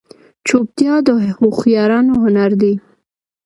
چوپتیا، د هوښیارانو هنر دی.